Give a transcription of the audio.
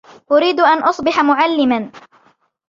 أريد أن أصبح معلما.